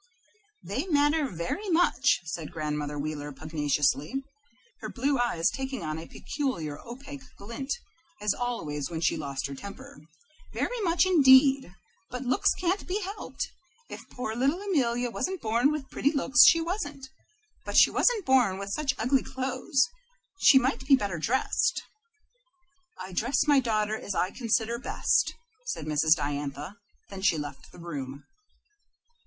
"They matter very much," said Grandmother Wheeler, pugnaciously, her blue eyes taking on a peculiar opaque glint, as always when she lost her temper, "very much indeed. But looks can't be helped. If poor little Amelia wasn't born with pretty looks, she wasn't. But she wasn't born with such ugly clothes. She might be better dressed." "I dress my daughter as I consider best," said Mrs. Diantha. Then she left the room.